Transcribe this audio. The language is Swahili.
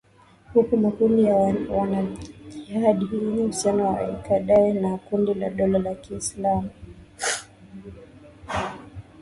huku makundi ya wanajihadi yenye uhusiano na al kaeda na kundi la dola ya kiislamu